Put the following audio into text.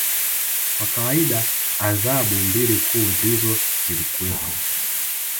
Kwa kawaida adhabu mbili kuu ndizo zilikuwepo